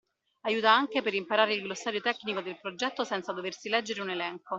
Aiuta anche per imparare il glossario tecnico del progetto senza doversi leggere un elenco.